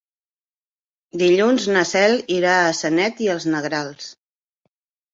Dilluns na Cel irà a Sanet i els Negrals.